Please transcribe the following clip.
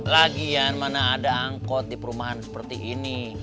lagian mana ada angkot di perumahan seperti ini